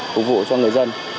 phục vụ cho người dân